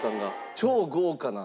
超豪華な。